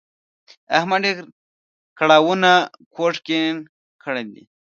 احمد ډېرو کړاوونو کوږ کیڼ کړی دی.